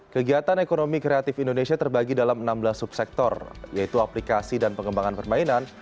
kegiatan ekonomi kreatif indonesia terbagi dalam enam belas subsektor yaitu aplikasi dan pengembangan permainan